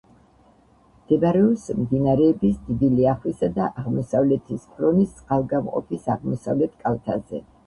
მდებარეობს მდინარეების დიდი ლიახვისა და აღმოსავლეთის ფრონის წყალგამყოფის აღმოსავლეთ კალთაზე.